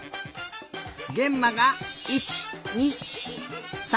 げんまが１２３４５。